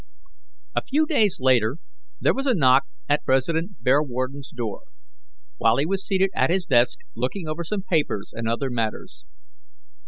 A few days later there was a knock at President Bearwarden's door, while he was seated at his desk looking over some papers and other matters.